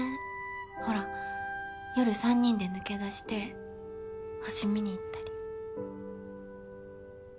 ほら夜３人で抜け出して星見にいったり。